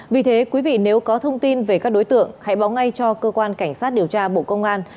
vì thế quý vị nếu có thông tin về các đối tượng hãy báo ngay cho cơ quan cảnh sát điều tra bộ công an